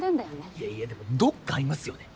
いやいやでもどっかありますよね？